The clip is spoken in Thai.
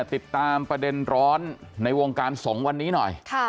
ติดตามประเด็นร้อนในวงการสงฆ์วันนี้หน่อย